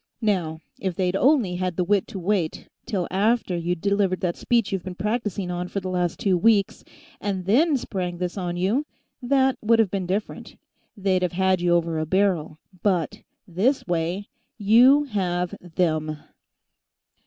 Now, if they'd only had the wit to wait till after you'd delivered that speech you've been practicing on for the last two weeks, and then spring this on you, that would have been different. They'd have had you over a barrel. But this way, you have them!"